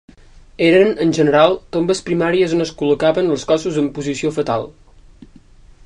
Eren, en general, tombes primàries on es col·locaven els cossos en posició fetal.